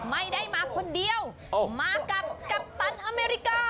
ไม่ได้มาคนเดียวมากับกัปตันอเมริกา